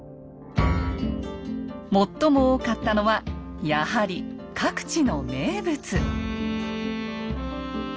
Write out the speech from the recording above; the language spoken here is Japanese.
最も多かったのはやはり各地の名物。